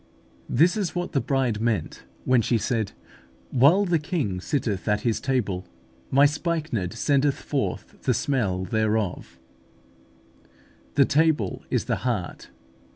This is what the Bride meant when she said, "While the King sitteth at His table, my spikenard sendeth forth the smell thereof" (Cant. i. 12). The table is the heart.